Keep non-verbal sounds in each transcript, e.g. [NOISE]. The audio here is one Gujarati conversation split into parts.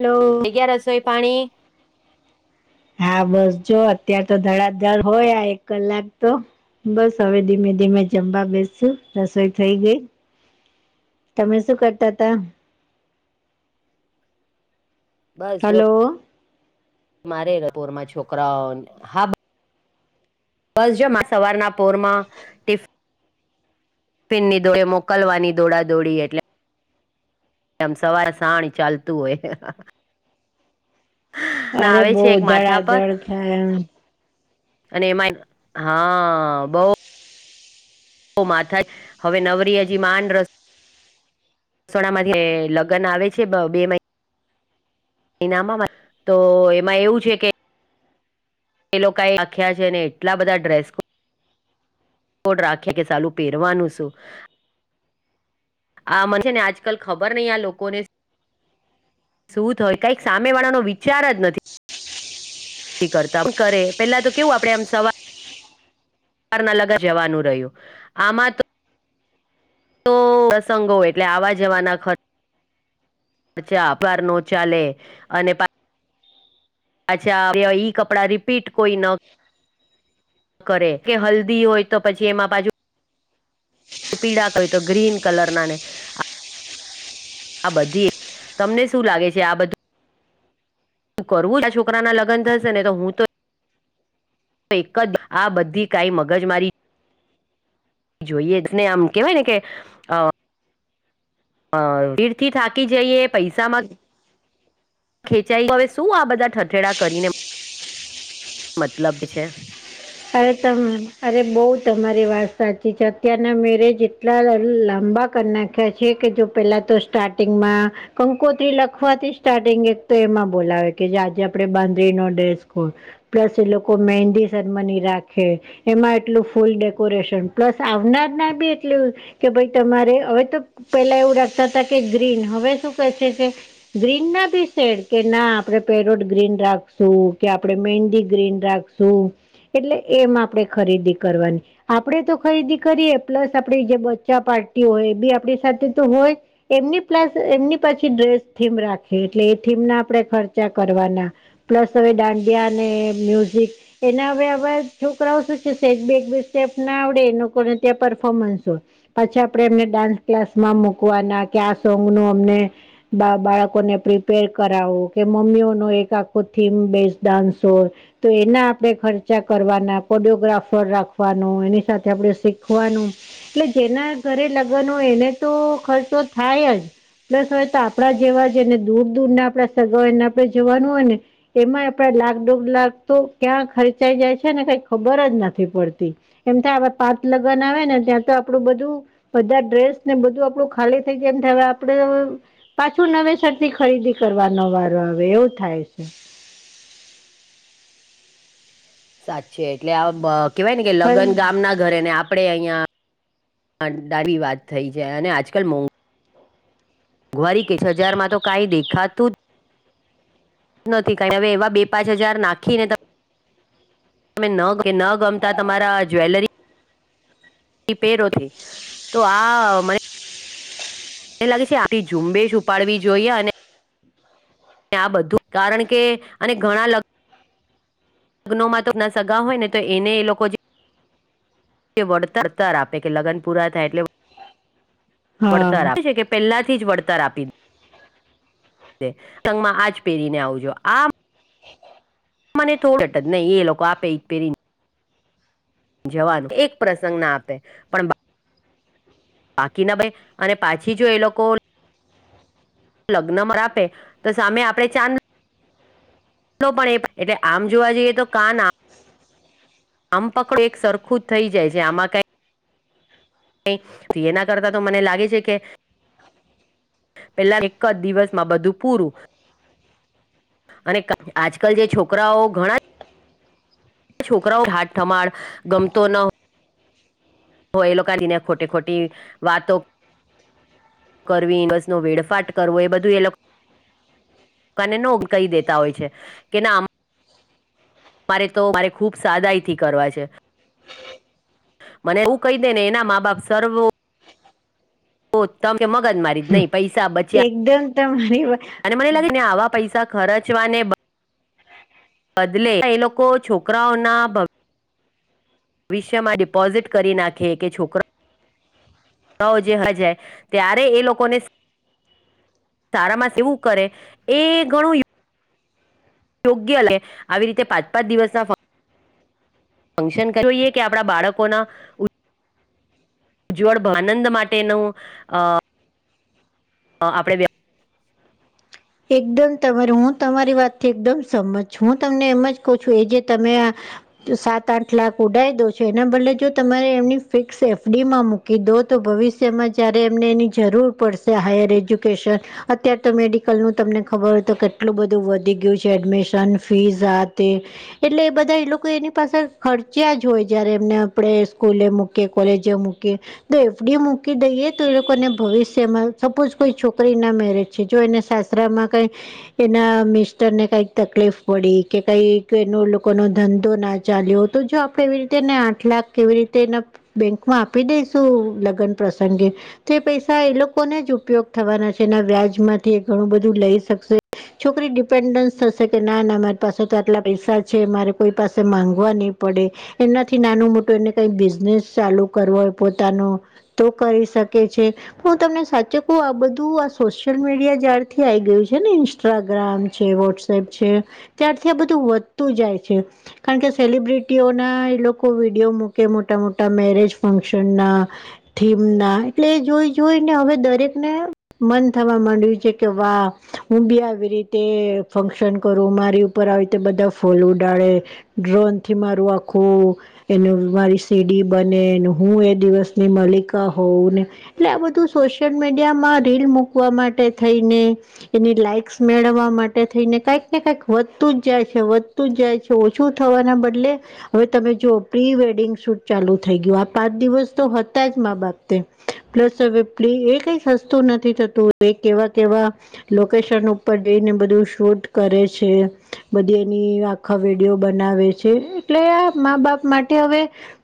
હલો જગયા રસોઈ પાણી હા બસ જો અત્યાર તો ધડાધર હોય આ એક કલાક તો બસ હવે ધીમે ધીમે જમવા બેસસ રસોઈ થઈ ગઈ. તમે શું કરતા તા બસ જો હલો મારેપોરમાં છોકરાઓ હા. બસ જમા સવારના પોરમાં ટિફ ફિનની દોડે મોકલવાની દોડા દોડી એટલે આમ સવારે સાણી ચાલતું હોય. અરે આવે બહ છે એક માથા પર ધડાધડ થાય એમ અને એમાં હા બઉ માથા હવે નવરીયજી માન રસ સોણા માંથી લગ્ન આવે છે બે મહિના નામામાં તો એમાં એવું છે, કે એ લોકો એ આખ્યા છે ને એટલા બધા ડ્રેસ ડ રાખે કે ચાલું પહેરવાનું શું આ મન ને આજકાલ ખબર નહી આ લોકોને શું થય કઈક સામે વાળા નો વિચાર જ નથી. કરતા કરે પેલા તો કેવું આપડે આમ સવાર લગ જવાનું રહ્યું આમાં તો તો પ્રસંગો એટલે આવા જવાના ખર્ચ ાાર નો ચાલે અને અચ્છા ઈ કપડા રિપીટ કોઈ ન કરે કે હલ્દી હોય, તો પછી એમાં બાજુ પીડા ક તો ગ્રીન કલર ના ને આ બધી તમને શું લાગે છે, આ બધુ તું કરવું આ છોકરાં લગનશે ને તો હું તો એક જ આ બધી કાઈ મગજ મારી જોઈએ ને આમ કેવાય ને કે હ ભીડ થી થાકી જઈએ પૈસામાં ખેંચાઈ હવે શું આ બધા ઠેડા કરીને મતલબ છે. અરે ત અરે બઉ તમારી વાત સાચી છે અત્યારના મેરેજ એટલા લાંબા ક નાખ્યા છે, કે જો પહેલાં તો સ્ટાર્ટિંગમાં કંકોત્રી લખવાથી સ્ટાર્ટિંગ એક તો એમાં બોલાવે કે જે આજે આપે બાંદ્રીનોો ડસ હોય. પ્લસ એ લોકો મહેંદી સેરેમની રાખે એમાં એટલું ફૂલ ડેકોરેશન પ્લસ આવનાર ના બી એટલું કે ભાઈ તમારે હવે તો પેલા એવું રાખતા હતા કે ગ્રીન હવે શું કેસે છે ગ્રીન ના બી સેડ કે ના આપણે પેરોટ ગ્રીન રાખશું કે આપણે મહેંદી ગ્રીન રાખશું શું એટલે એમ આપણેે ખરીદી કરવાની આપડે તો ખરીદી કરીએ પ્લસ આપડી જે બચ્ચા પાર્ટી હોય એ બી આપણી સાથે તો હોય એમની પ્લસ એમની પછી ડ્રેસ થીમ રાખી એટલે એ થીમ ના આપણે ખર્ચા કરવાના પ્લસ હવે દાંડિયાને મ્યુઝિક એના હવે [UNINTELLIGIBLE] છોકરાઓ શું છે બે સ્ટેપ ના આવડે એ લોકોને ત્યાં પરફોર્મન્સ હોય પછી આપડણે એમને ડાન્સ ક્લાસમાં મુૂકવાના કે આ સોંગ નું અમને બા બાળકોને પ્રિપેર કરાવો કે મમ્મીઓ ન એક આખો થીમ બેઝ ડાન્સ હોય તો એના આપડે ખર્ચ કરવાના કોરિયોગ્રાફર રાખવાનું એની સાથે આપડે શીખવાનું એટલે જેના ઘરે લગ્ન હોય એને તો ખર્ચો થાય જ પ્લસ આપણા જેવા જેને દૂર દૂરના સગા હોય અને ન આપણે જવાનું હોય ને એમાં આપણા લાખ દોઢ લાખ તો ક્યાં ખર્ચાઈ જાય છે ને કઈ ખબર જ નથી પડતી એમ થાય આ પાત લગ્ન આવે ને ત્યાં તો આપણું બધું બધા ડ્રેસ ને બધું આપણું ખાલી થઈ જાય એમ થાય હવે આપડે પાછું નવેસર થી ખરીદી કરવાનો વારો આવે એવું થાય છે સાચે એટલે આ કેવાય ને કે લગ્ન ગામ ના ઘરેને આપણે અહીં [INAUDIBLE] વાત થઈ જાય અને આજકાલ મોંઘવારી કે છ હજાર માં તો કાંઈ દેખાતું જ નથી કાઈ હવે એવા બે પાંચ હજાર નાખી ને તમે ન ન ગમતા તમારા જ્વેલરી પેરોથી તો આ મને મને લાગે છે આપી ઝુંબેશ ઉપાડવી જોઈએ અને આ બધું કારણ કે અને ઘણા લગ લગ્નોનો તો સગા હોય ને તો એને એ લોકો કે વળતરતર આપે કે લગ્ન પૂરા થાય એટલે હા વડતર આપે પહેલાથી જ વળતર આપી દેં પ્રસંગમાં આજ પહેરીને આવજો આ [UNINTELLIGIBLE] મને થોડ [UNINTELLIGIBLE] નહી એ લોકો આપે પેરી જવાનું એક પ્રસંગ ના આપે પણ બાકી ના ભાઈ અને પાછી જો એ લોકો લગ્નમાં આપે તો સામે આપડે પણ એ એટલે આમ જોવા જઈએ તો કાન આમ પકડો એક સરખું જ થઈ જાય છે આમાં કઈ એના કરતા તો મને લાગે છે કે પહેલા એક જ દિવસમાં બધું પૂરું અને આજકાલ જે છોકરાઓ ઘણા છોકરાઓ હાથ ઠમાડ ગમતો ન હો એ લોકો [UNINTELLIGIBLE] ને ખોટે ખોટી વાતો કરવી બસ નો વેડફાટ કરવો એ બધું એ લોકો ક નો કહી દેતા હોય છે કે ના આ મારે તો મારે ખુબ સાદાઈ થી કરવા છે મને એવું કહી દે ને એના મા બાપ સર્વ તમે કે મગન મારી નહી પૈસા બચ્યા [UNINTELLIGIBLE] અને મને લાગે ને આવા પૈસા ખર્ચવાને બદલે એ લોકો છોકરાઓ ના ભવિષ્યમાં ડિપોઝિટ કરી નાખે કે છોકરો જે હજાય ત્યારે એ લોકોને તારા માંસી હું કરે એ ઘણું યોગ્ય લે આવી રીતે પાંચ-પાંચ દિવસના ફંક્શન કર [UNINTELLIGIBLE] ઈએ કે આપડા બાળકોના જ્જવળ બ આનંદ માટેનું અ અ આપણે બે એકદમ તમારે હું તમારી વાતથી એકદમ સમજ છ હું તમને એમ જ કઉ છું એ જે તમે આ તો સાત આઠ લાખ ઉડાઇ દઉ છું એના બદલે જો તમારે એમની ફિક્સ એફડી માં મુક કે દો તો ભવિષ્યમાં જયારે એમને એની જરૂર પડશે હાયર એજ્યુકેશન અત્યાર તો મેડી આ કલનું તમને ખબર હોય તો કેટલું બધું વધી ગ્યુ છે એડમિશન ફીઝ આ તે. એટલે એ બધા એ લોકો એની પાસે ખર્ચ્યા જ હોય જયારે એમને આપડે સ્કૂલે મોક કે કોલેજ મૂકી્ય તો એફડી મૂકી દઈએ, તો એ લોકોને ભવિષ્યમાં સપોઝ કોઈ છોકરી ના મેરેજ છે જો એને સાસરા માં કઈ એના મિસ્ટરને કઈક તકલીફ પડી કે કઈક એનો લોકો ન ધંધો ના ચાલ્યો તો જો આપ કેવી રીતેને આઠ લાખ કેવી રીતે ન બેંક માં આપી દેસું લગન પ્રસંગે. તે પૈસા એ લોકોને જ ઉપયોગ થવાના છે, એના વ્યાજ માંથી ઘણું બધું લઈ શકશે. છોકરી ડિપેન્ડન્સ થશે કે ના ના મારી પાસે તો આટલા પૈસા છે મારે કોઈ પાસે માંગવા ની પડે. એનાથી નાનું મોટું એમને કઈ બિઝનેસ ચાલુ કરવો હોય પોતાનો તો કરી શકે છે હું તમને સાચું કઉ આ બધું આ સોશિયલ મીડિયા જયાર થી આઈ ગયું છે ને ઇન્સ્ટ્રાગ્રામ છે, વોટ્સએપ છે. ત્યારથી આ બધું વધતું જાય છે. કારણ કે સેલિબ્રિટીઓના એ લોકો વિડીયો મૂકે મોટા મોટા મેરેજ ફંક્શનના. થીમ ના, એટલે જોઈ-જોઈને હવે દરેક ને મન થવા માંડ્યું છે. ક વા હું બી આવી રીતે ફંક્શન કરું મારી [UNINTELLIGIBLE] ઉપર આવી રતે બધા ફોલ ઉડાડે. ડ્રોન થી મારું આખું. એનું મારી સીડી બને ન હું એ દિવસની મલિકા હોઉ ને. એટલે આ બધું સોશિયલ મીડિયા માં રીલ મૂકવા માટે થઈને. એની લાઈક્સ મેળવવા માટે થઈને કાંઈક ને કાંઈક વધતું જ જાય છે વધ તું જાય છે, ઓછું થવાના બદલે. હવે તમે જુઓ પ્રી વેડિંગ શૂટ ચાલુ થઈ ગ્યુ આ પાંચ દિવસ તો હતા જ મા બાપતે પ્લસ વપલી એ કઈ સસ્તું નથી થતું. એ કેવા-કેવા લોકેશન ઉપર ડઈને બધું શોધ કરે છે. બધી એની ખવેડીઓ બનાવે છે, એટલે આ મા બાપ માટે હવે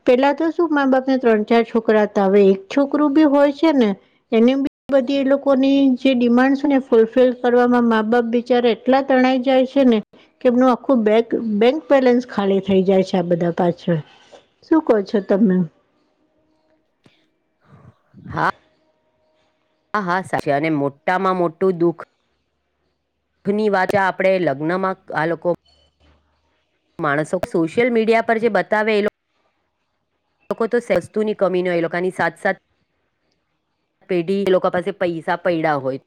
પેલા તો શું મા બાપને ત્રણ ચાર છોકરા તા, હવે એક છોકરું બી હોય છે ને એને બી બધી એ લોકોની જે ડિમાન્ડ છે ને ફૂલફિલ કરવાવામાં મા બાપ બિચારા એટલા તણાઈ જાય છે ને. કે એમનું આખું બેક બેંક બેલેન્સ ખાલી થઈ જાય છે આ બધા પાછળ. શું કહો છો તમે? હા! હા! હા! સાછે અને મોટામાં મોટું દુઃખ. દખ ની વાત ચા આપણે લગ્નમાં આ લોકો માણસો સોશિયલ મીડિયા પર જે બતાવેલો લોકો તો સસ્તુની કમી ન એ લોકોની સાથ-સાથ. પેઢી એ લોકો પાસે પૈસા પૈડા હોયત.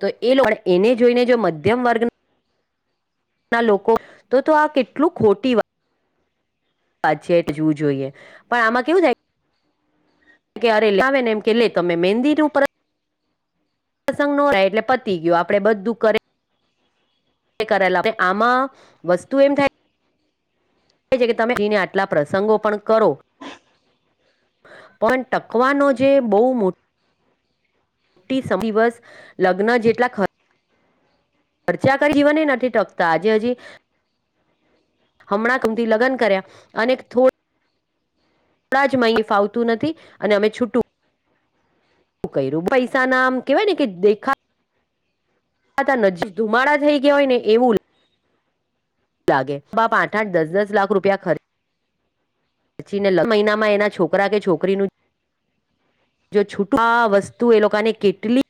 તો એ લો [UNINTELLIGIBLE] એને જોઈને જો મધ્યમ વર્ગ ન ના લોકો તો- તો આ કેટલું ખોટી વા વાત છે [UNINTELLIGIBLE] જોઈએ પણ આમાં કેવું થાય ક્યારે લાવે ને એમ કે લે તમે મહેંદી ઉપર પ્રસંગ ન એટલે પતી ગયયો આપડે બધું કરે કરેલા આમાં વસ્તુ એમ થાય? કે તમે એને આટલા પ્રસંગો પણ કરો. પણ ટકવાનો જે બહુ મોટો- લગ્ન જેટલા ખર્ચા કરી જીવન નથી ટકતા આજે હજી- હમણાં હમથી લગ્ન કર્યા અને થોડ- આપડા જ અં ફાવતું નથી અને અમે છૂટું. ક્યું પૈસા ના આમ કેવાય ને કે દેખા- નજીક ધુમાડા થઈ ગયા હોય ને એવું લાગે- લાગે બાપ આઠ આઠ દસ દસ લાખ રૂપિયા ખર્ચ- પછી ને લ મહિનામાં એના છોકરા કે છોકરીનું જો છુટા વસ્તુ એ લોકોને કેટલી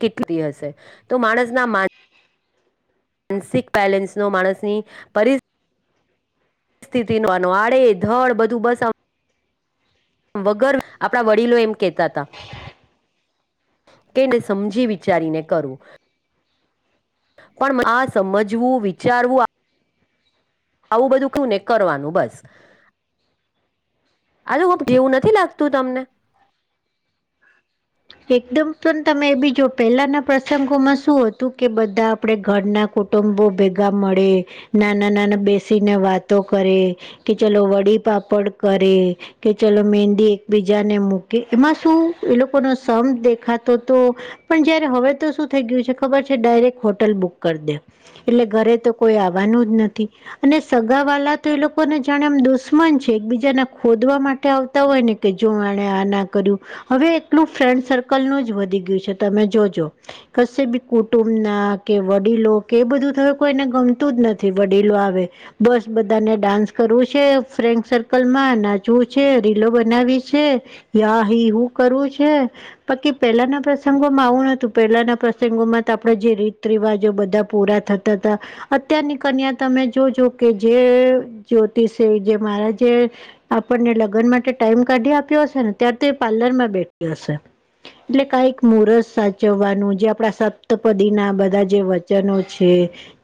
કેટલી હશે તો માણસ ના મા માનસિક બેલેન્સ નો માણસની પરિ- સ્થિતિ ન આડે ધડ બધું બસ- વગર આપણા વડીલો એમ કેતા હતા. કેને સમજી વિચારીને કરવું પણ આ સમજવું વિચારવું. આવું બધું કું ને કરવાનું બસ. અરે હ જેવું નથી લાગતું તમને? એકદમ પણ તમે એ બી જો પહેલાના પ્રસંગોમાં શું હતું કે બધું- આપણે ઘરના કુટુંબો ભેગા મળે નાના નાના બેસીને વાતો કરે- કે ચાલો વડી પાપડ કરે. કે ચલો મહેંદી એકબીજા ને મૂકી એમાં શું એ લોકો ન સમ દેખા તો તો- પણ જયારે હવે તો શું થઈ ગયું છે ખબર છે ડાયરેક્ટ હોટલ બુક કરી દે એટલે ઘરે તો કોઈ આવવાનું જ નથી. અને સગા વાલા તો એ લોકોને જાણે એમ દુશ્મન છે એકબીજાને ખોદવા માટે આવતા હોય ને- કે જો આને આ ના કર્યું હવે એટલું ફ્રેન્ડ સર્કલનુંું જ વધી ગયું છે તમે જોજો- કશે બી કુટુંબ ના કે વડીલો કે એ બધું હ કોઈને ગમતું જ નથી વડીલો આવે- બસ બધાને ડાન્સ કરવું છે ફ્રેન્ડ સર્કલમાં નાચવું છે રીલો બનાવી છે. યા હિ હું કરવુ છે. બાકી પહેલાના પ્રસંગોમાં આવું નતું પહેલાના પ્રસંગોમાં તો આપણે જે રીતે- ત રિવાજો બધા પૂરા થતા હતા. અત્યારની કન્યા તમે જોજો કે જે જ્યોતિષ જે મારા જે- આપણને લગ્ન માટે ટાઈમ કાઢી આપ્યો હશે ને તાર તો પાર્લર માં બેઠી હશે. એટલે કઈક મુહર્ત સાચવવાનું જે આપડા સપ્તપદી ના બધા જે વચનો છે.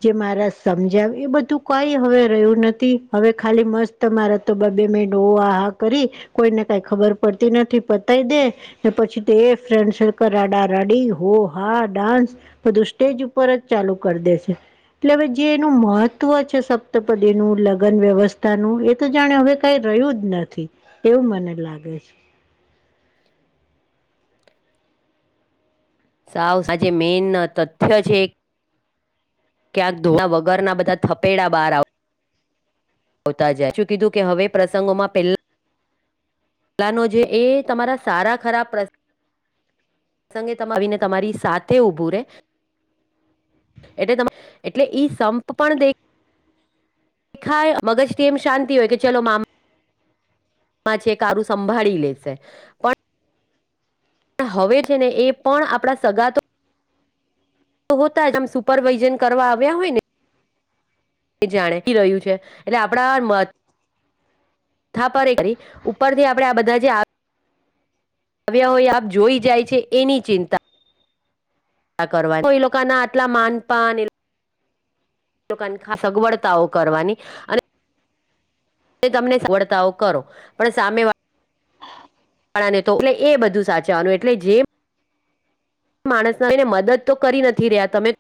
જે મારા સમજાવ એ બધું કઈ હવે રહ્યું નથી હવે ખાલી મસ્ત- તમારા તો બા બે મે ડો આહા કરી કોઈને કઈ ખબર પડતી નથી પતાય દેય. પછી તે ફ્રેન્ડ સક રાડા રાડી હો હા ડાન્સ- બધું સ્ટેજ ઉપર જ ચાલુ કરી દે છે. એટલે હવે જે એનું મહત્વ છે સપ્તપદી નું લગ્ન વ્યવસ્થાનુંું એ તો જાણે હવે કઈ રહ્યું જ નથી એવું મને લાગે છે. સાવ આજે મેન તથ્ય છે. ક્યાંક ધોણા વગરના બધા થપેડા બહાર આવ- આવતા જાય શું કીધું કે હવે પ્રસંગોમાં પહેલા પલા ન જે એ તમારા સારા ખરાબ પ્રશ્ સંગે ત આવીને તમારી સાથે ઉઊભું રે એટલે તમે એટલે ઈ સંપ પણ દે દેખાય મગજ થી એમ શાંતિ હોય કે ચલો મામ માં છે [UNINTELLIGIBLE] સંભાળી લેશે પણ [UNINTELLIGIBLE] હવે છે ને એ પણ આપણા સગાતો તો હોતા જ આમ સુપરવાઇઝન કરવા આવ્યા હોય ને એ જાણે રહ્યું છે એટલે આપડા જ [UNINTELLIGIBLE] [UNINTELLIGIBLE] પર ઉપરથી આપડે આ બધા જે આ આવ્યા હોય આપ જોઈ જાય છે એની ચિંતા કરવાની એ લોકો ના આટલા માનપાન [UNINTELLIGIBLE] સગવડતાઓ કરવાની અને તમને સગવડતાઓ કરો પણ સામે વાલા આપણા ને તો એટલે એ બધું સાચવાનું એટલે જેમ માણસ આવીને મદદ તો કરી નથી રહ્યા તમે